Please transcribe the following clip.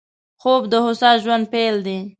خوب د هوسا ژوند پيل دی